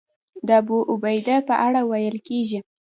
د ابوعبیده په اړه ویل کېږي.